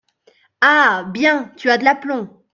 Ah ! bien, tu as de l’aplomb !